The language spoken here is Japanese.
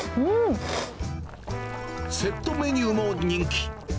セットメニューも人気。